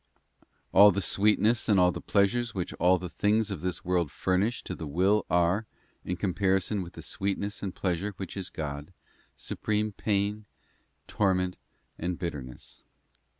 * All the sweetness and all the pleasures which all the things of this world furnish to the will are, in comparison with the sweetness and pleasure which is God, supreme pain, torment, and bitterness.